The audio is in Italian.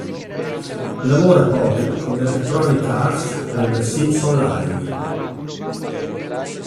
Lavora poi con Electronic Arts per "The Sims Online".